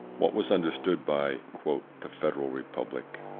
What was understood by the `federal republic?'